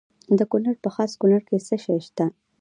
د کونړ په خاص کونړ کې څه شی شته؟